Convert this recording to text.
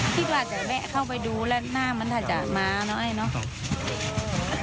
ไปซ่อมบอลอย่างนี้เนี่ยว่ะนอกว่าคิดว่าซ่อมเล่นแล้วก็กรัฟแล้วอย่างนี้เนอะ